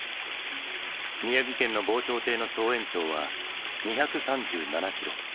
宮城県の防潮堤の総延長は２３７キロ。